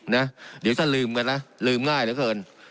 นะเดี๋ยวจะลืมกันนะลืมง่ายเหลือเกิน